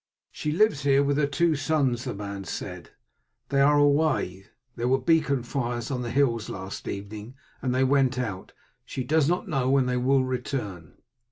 "She lives here with her two sons," the man said; "they are away. There were beacon fires on the hills last evening, and they went out. She does not know when they will return."